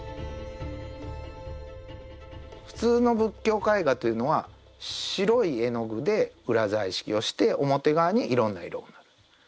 普通の仏教絵画というのは白い絵の具で裏彩色をして表側にいろんな色を塗る。